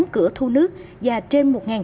sáu mươi tám cửa thu nước và trên một cửa sản